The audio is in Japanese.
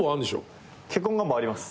結婚願望あります。